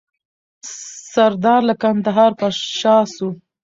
سردار له کندهار پر شا سو.